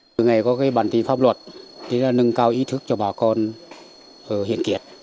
từ ngày có bản tin pháp luật tôi đã nâng cao ý thức cho bà con ở hiền kiệt